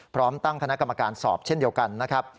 พร้อมตั้งคณะกรรมการสอบเช่นเดียวกันนะครับ